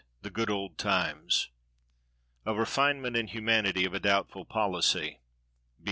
THE GOOD OLD TIMES. "A refinement in humanity of doubtful policy."